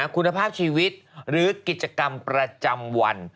คุณภาพชีวิตหรือกิจกรรมประจำวัน